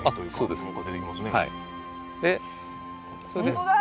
本当だ！